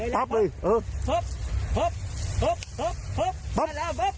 จับเลยจับเลย